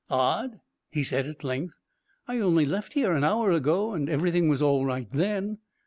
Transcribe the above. "Odd," he said at length. "I only left here an hour ago and everything was all right then."